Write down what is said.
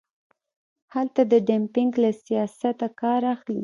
هلته د ډمپینګ له سیاسته کار اخلي.